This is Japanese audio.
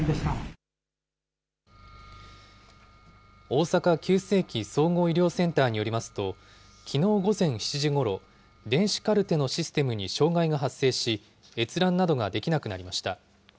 大阪急性期・総合医療センターによりますと、きのう午前７時ごろ、電子カルテのシステムに障害が発生し、閲覧などができなくなりました。